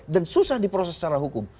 dan susah diproses secara hukum